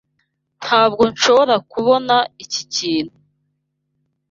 Ntabwo nshobora kubona iki kintu.